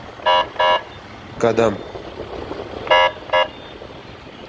Gynanmagy maksat edinip ädim ädeniňiz ýadyňyza düşýärmi?